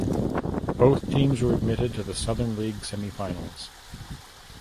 Both teams were admitted to the Southern League semifinals.